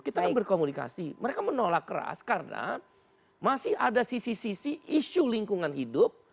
kita kan berkomunikasi mereka menolak keras karena masih ada sisi sisi isu lingkungan hidup